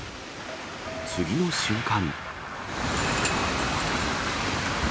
次の瞬間。